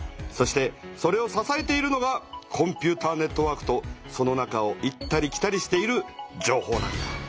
そしてそれをささえているのがコンピューターネットワークとその中を行ったり来たりしている情報なんだ。